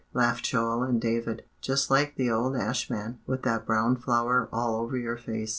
laughed Joel and David, "just like the old ash man, with that brown flour all over your face."